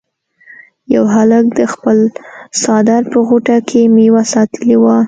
یو هلک د خپل څادر په غوټه کې میوه ساتلې وه.